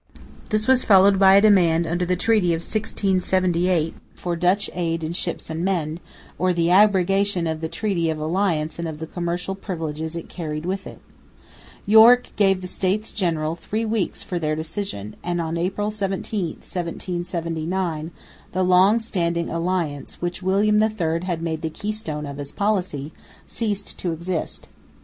This was followed by a demand under the treaty of 1678 for Dutch aid in ships and men, or the abrogation of the treaty of alliance and of the commercial privileges it carried with it. Yorke gave the States General three weeks for their decision; and on April 17, 1779, the long standing alliance, which William III had made the keystone of his policy, ceased to exist.